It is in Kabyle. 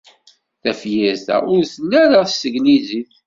Tafyirt-a ur telli ara s teglizit.